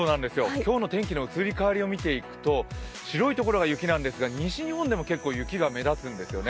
今日の天気の移り変わりを見ていくと白い所が雪なんですが、西日本でも結構雪が目立つんですね。